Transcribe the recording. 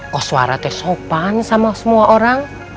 koswara itu sopan sama semua orang